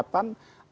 agar ke depan terjadi